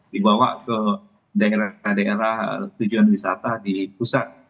dibawa ke daerah daerah tujuan wisata di pusat